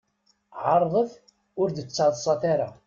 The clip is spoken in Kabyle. Ɛeṛḍet ur d-ttaḍsat ara.